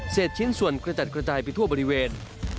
ชิ้นส่วนกระจัดกระจายไปทั่วบริเวณ